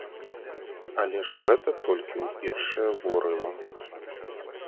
Але ж гэта толькі ў першае ворыва.